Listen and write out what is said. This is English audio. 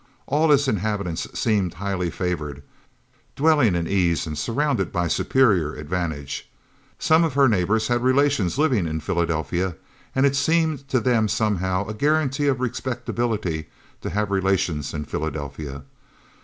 All its inhabitants seemed highly favored, dwelling in ease and surrounded by superior advantages. Some of her neighbors had relations living in Philadelphia, and it seemed to them somehow a guarantee of respectability to have relations in Philadelphia.